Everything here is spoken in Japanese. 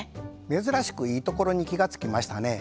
珍しくいいところに気が付きましたね。